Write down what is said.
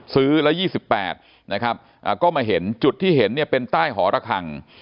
๒๗สื้อแล้ว๒๘นะครับก็มาเห็นจุดที่เห็นเป็นใต้หละคร่าง